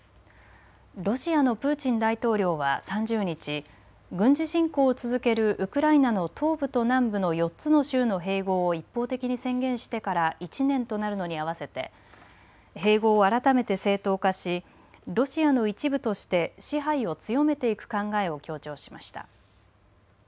ロシアのプーチン大統領は３０日、軍事侵攻を続けるウクライナの東部と南部の４つの州の併合を一方的に宣言してから１年となるのに合わせて併合を改めて正当化しロシアの一部として支配を強めていく考えを強調しました。